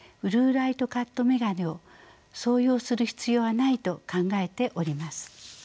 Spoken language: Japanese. ライトカット眼鏡を装用する必要はないと考えております。